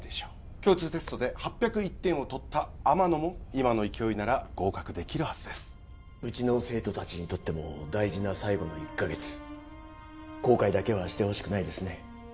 共通テストで８０１点を取った天野も今の勢いなら合格できるはずですうちの生徒達にとっても大事な最後の１カ月後悔だけはしてほしくないですね